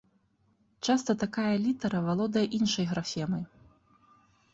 Часта такая літара валодае іншай графемай.